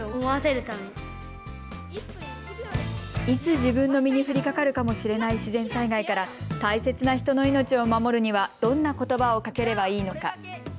いつ自分の身に降りかかるかもしれない自然災害から大切な人の命を守るにはどんなことばをかければいいのか。